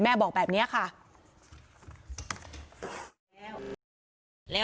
บอกแบบนี้ค่ะ